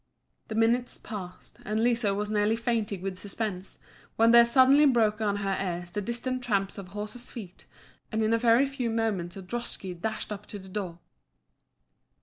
The minutes passed, and Liso was nearly fainting with suspense, when there suddenly broke on her ears the distant tramp of horses' feet; and in a very few moments a droshky dashed up to the door.